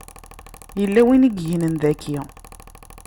Yella win i yegnen daki.